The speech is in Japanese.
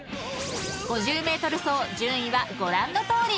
［５０ｍ走順位はご覧のとおり］